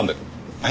はい？